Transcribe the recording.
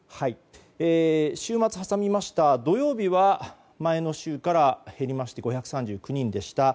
週末を挟みました土曜日は前の週から減りまして５３９人でした。